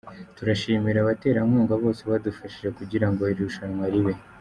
Turashimira abaterankunga bose badufashije kugira ngo iri rushanwa ribe.